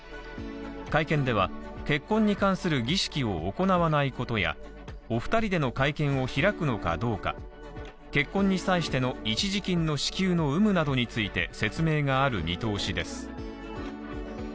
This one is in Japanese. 会見では結婚に関する儀式を行わないことや、お２人での会見を開くのかどうか、結婚に際しての一時金の支給の有無などについて説明がある見通しです。